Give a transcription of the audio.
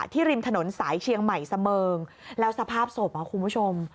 ริมถนนสายเชียงใหม่เสมิงแล้วสภาพศพคุณผู้ชม